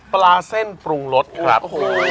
ปลาเส้นปรุงรสครับ